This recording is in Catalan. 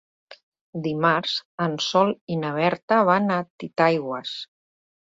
Dimarts en Sol i na Berta van a Titaigües.